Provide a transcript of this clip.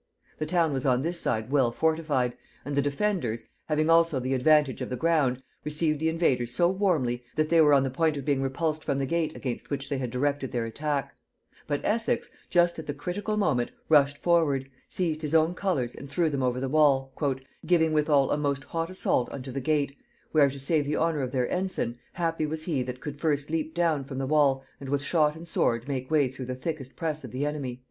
The town was on this side well fortified, and the defenders, having also the advantage of the ground, received the invaders so warmly that they were on the point of being repulsed from the gate against which they had directed their attack: but Essex, just at the critical moment, rushed forward, seized his own colors and threw them over the wall; "giving withal a most hot assault unto the gate, where, to save the honor of their ensign, happy was he that could first leap down from the wall and with shot and sword make way through the thickest press of the enemy."